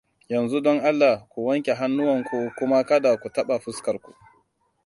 Yanzu, don Allah - ku wanke hannuwanku kuma kada ku taɓa fuskarku!